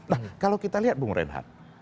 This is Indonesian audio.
nah kalau kita lihat bung reinhardt